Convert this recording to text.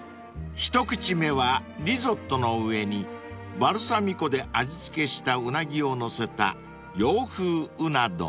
［一口目はリゾットの上にバルサミコで味付けしたウナギを載せた洋風うな丼］